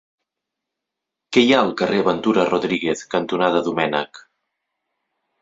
Què hi ha al carrer Ventura Rodríguez cantonada Domènech?